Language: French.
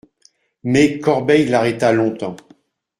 Mais Corbeil l'arrêta longtemps.